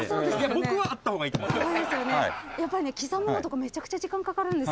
僕はあった方がいいと思います。